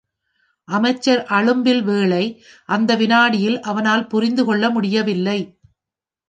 அமைச்சர் அழும்பில்வேளை அந்த விநாடியில் அவனால் புரிந்துகொள்ள முடியவில்லை.